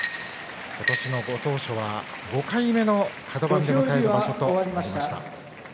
今年のご当所は５回目のカド番で迎える場所となりました。